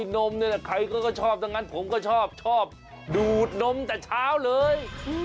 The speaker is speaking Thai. นมเนี่ยใครก็ชอบแต่งั้นผมก็ชอบดูดนมแต่เช้าเลย